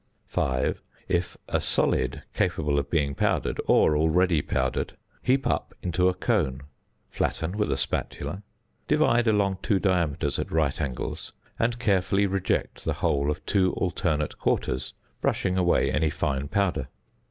5. If a solid capable of being powdered, or already powdered: heap up into a cone; flatten with a spatula; divide along two diameters at right angles, and carefully reject the whole of two alternate quarters, brushing away any fine powder.